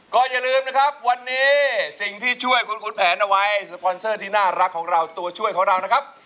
ก็อย่าลืมนะครับวันนี้สิ่งที่ช่วยคุณขุนแผนเอาไว้สปอนเซอร์ที่น่ารักของเราตัวช่วยของเรานะครับ